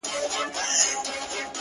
• اوس سپوږمۍ نسته اوس رڼا نلرم؛